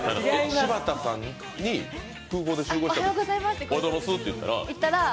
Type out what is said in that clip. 柴田さんに空港で集合したときにおはようございますっていったら？